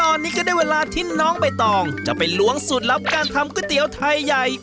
ตอนนี้ก็ได้เวลาที่น้องใบตองจะไปล้วงสูตรลับการทำก๋วยเตี๋ยวไทยใหญ่